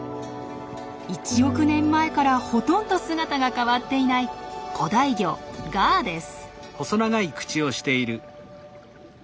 １億年前からほとんど姿が変わっていない古代魚ガーです。